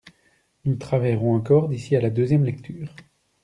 Nous travaillerons encore d’ici à la deuxième lecture.